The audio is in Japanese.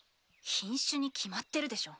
品種に決まってるでしょ。